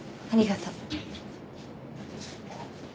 ありがとう。